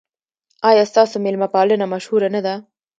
ایا ستاسو میلمه پالنه مشهوره نه ده؟